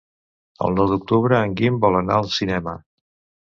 El nou d'octubre en Guim vol anar al cinema.